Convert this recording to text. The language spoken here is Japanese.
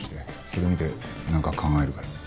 それ見てなんか考えるから。